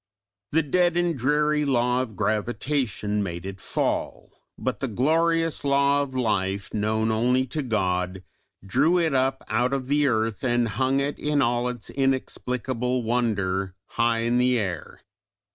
The dead and dreary law of gravitation made it fall, but the glorious law of life, known only to God, drew it up out of the earth and hung it in all its inexplicable wonder high in the air.